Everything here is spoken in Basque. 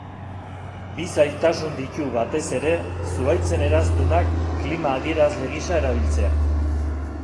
Bi zailtasun ditu batez ere zuhaitzen eraztunak klima-adierazle gisa erabiltzeak.